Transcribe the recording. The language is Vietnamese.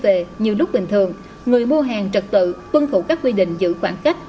về nhiều lúc bình thường người mua hàng trật tự quân thủ các quy định giữ khoảng cách